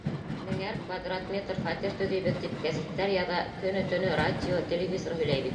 Меңәр квадрат метр фатир төҙөйбөҙ тип гәзиттәр яҙа, көнө-төнө радио, телевизор һөйләй бит.